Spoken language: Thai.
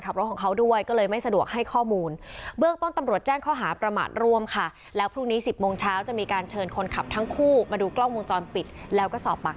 บ้ายหมดอะไรไปหมดแล้ว